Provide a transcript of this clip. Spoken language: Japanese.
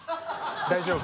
大丈夫？